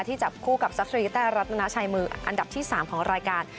จับคู่กับซัตรีแต้รัตนาชัยมืออันดับที่๓ของรายการ